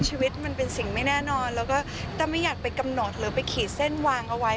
ชีวิตมันเป็นสิ่งไม่แน่นอนแล้วก็ถ้าไม่อยากไปกำหนดหรือไปขีดเส้นวางเอาไว้